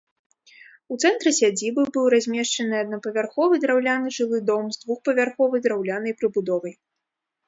У цэнтры сядзібы быў размешчаны аднапавярховы драўляны жылы дом з двухпавярховай драўлянай прыбудовай.